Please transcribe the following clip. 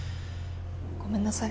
ごめんなさい。